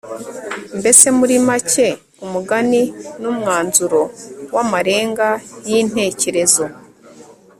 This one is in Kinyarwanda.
mbese muri make umugani ni umwanzuro w'amarenga y'intekerezo